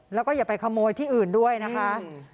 แล้วก็อย่าไปขโมยที่อื่นด้วยนะคะ